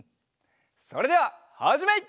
それでははじめい！